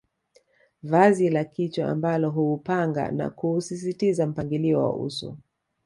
Vazi la kichwa ambalo huupanga na kuusisitiza mpangilio wa uso